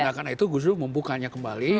ya karena itu gus dur membukanya kembali